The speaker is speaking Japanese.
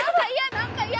何か嫌！